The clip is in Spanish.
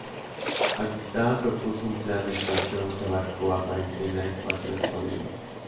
Pakistán propuso un plan de expansión que abarcó a cuarenta y cuatro escuadrillas.